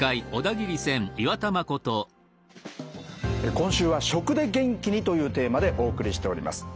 今週は「『食』で元気に！」というテーマでお送りしております。